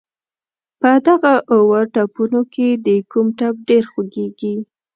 په دغه اووه ټپونو کې دې کوم ټپ ډېر خوږېږي.